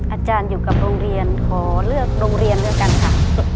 อาจารย์อยู่กับโรงเรียนขอเลือกโรงเรียนด้วยกันค่ะ